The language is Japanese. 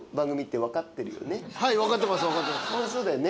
そうだよね。